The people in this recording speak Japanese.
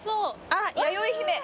あっやよい姫。